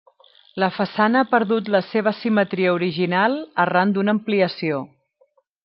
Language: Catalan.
La façana ha perdut la seva simetria original arran d'una ampliació.